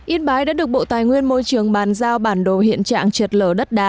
yên bái đã được bộ tài nguyên môi trường bàn giao bản đồ hiện trạng trượt lở đất đá